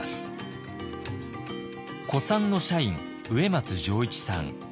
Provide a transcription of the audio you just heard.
古参の社員植松襄一さん。